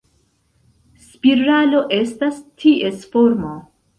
Spiralo estas ties formo.